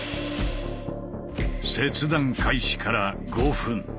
切断開始から５分。